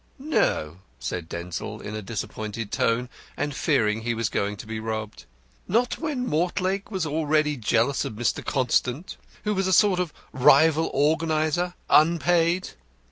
"No!" said Denzil in a disappointed tone, and fearing he was going to be robbed. "Not when Mortlake was already jealous of Mr. Constant, who was a sort of rival organiser, unpaid!